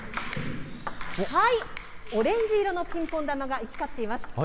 オレンジ色のピンポン玉が行き交っています。